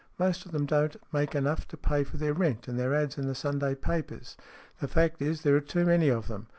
" Most of them don't make enough to pay for their rent and their ads. in the Sunday papers. The fact is there are too many of them.